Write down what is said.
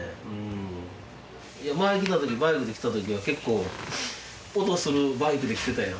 前来た時バイクで来た時は結構音するバイクで来てたやん。